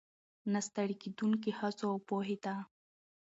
، نه ستړې کېدونکو هڅو، او پوهې ته